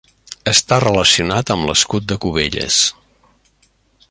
Està relacionat amb l'escut de Cubelles.